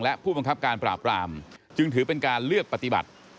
และผู้บังคับการปราบรามจึงถือเป็นการเลือกปฏิบัติ